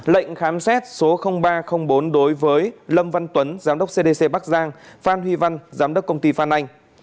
lệnh khám xét số ba trăm linh bốn đối với lâm văn tuấn giám đốc cdc bắc giang phan huy văn giám đốc công ty phan anh